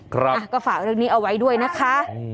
ครับนี่เอาไว้ด้วยนะคะ